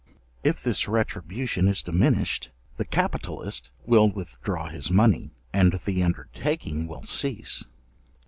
If this retribution is diminished, the capitalist will withdraw his money, and the undertaking will cease.